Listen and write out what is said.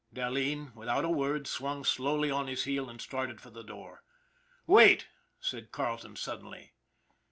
" Dahleen, without a word, swung slowly on his heel and started for the door. " Wait !" said Carleton suddenly.